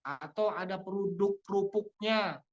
atau ada produk rupuknya